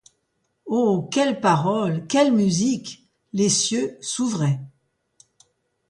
Oh ! quelle parole ! quelle musique ! les cieux s’ouvraient.